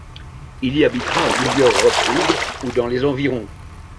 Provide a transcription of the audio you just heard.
Il y habitera à plusieurs reprises, ou dans les environs.